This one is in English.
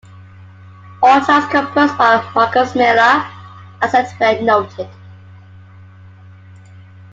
All tracks composed by Marcus Miller; except where noted.